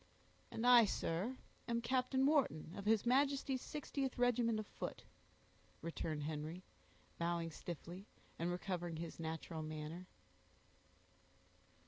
"And I, sir, am Captain Wharton, of his Majesty's 60th regiment of foot," returned Henry, bowing stiffly, and recovering his natural manner.